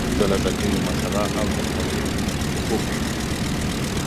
د لږکیو مسله او د هغوی حقوق